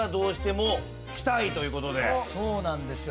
そうなんですよ。